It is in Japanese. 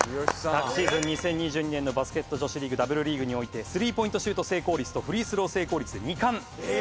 昨シーズン２０２２年のバスケット女子リーグＷリーグにおいてスリーポイントシュート成功率とフリースロー成功率で２冠です。